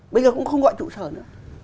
bây giờ cũng không gọi trụ sở nữa